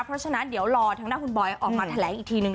เพราะฉะนั้นเดี๋ยวรอทางด้านคุณบอยออกมาแถลงอีกทีนึง